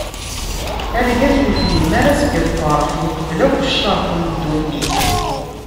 Argaz ur yefhim ara seg lferḥ yeqbel akk ccerṭ n dunnit.